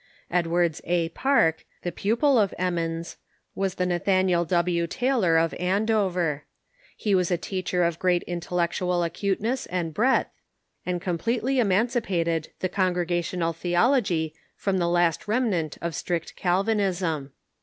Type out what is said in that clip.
Edwards A. Park, the pupil of Emmons, was the Nathaniel W. Taylor of Andover. He was a teacher of great in tellectual acuteness and breadth, and completely emancipated the Congregational theology from the last remnant of strict Calvinism.